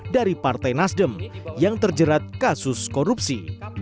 dari partai nasdem yang terjerat kasus korupsi